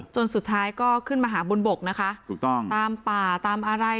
จนสุดท้ายก็ขึ้นมาหาบนบกนะคะถูกต้องตามป่าตามอะไร